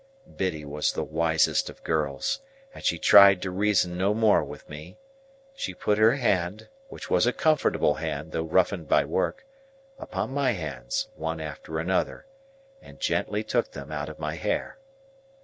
Biddy was the wisest of girls, and she tried to reason no more with me. She put her hand, which was a comfortable hand though roughened by work, upon my hands, one after another, and gently took them out of my hair.